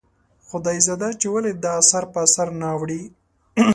خدایزده چې ولې دا اثر په اثر نه اوړي ؟